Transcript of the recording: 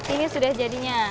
ini sudah jadinya